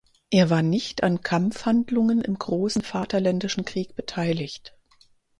Er war nicht an Kampfhandlungen im Großen Vaterländischen Krieg beteiligt.